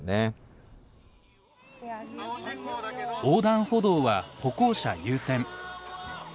横断歩道は歩行者優先。